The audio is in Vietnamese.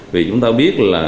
vì chúng ta biết là